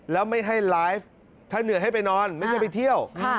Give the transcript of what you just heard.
แล้วไม่ให้ไลฟ์ถ้าเหนื่อยให้ไปนอนไม่ใช่ไปเที่ยว